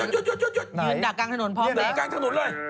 นี่หน้ากลางถนนเลย